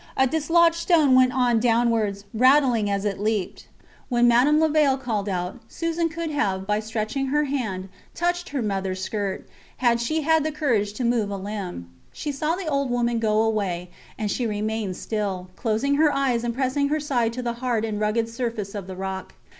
A dislodged stone went on downwards, rattling as it leaped. When Madame Levaille called out, Susan could have, by stretching her hand, touched her mothers skirt, had she had the courage to move a limb. She saw the old woman go away, and she remained still, closing her eyes and pressing her side to the hard and rugged surface of the rock.